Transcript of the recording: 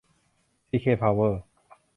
ซีเค พาวเวอร์